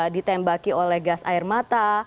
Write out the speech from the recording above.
ditembaki oleh gas air mata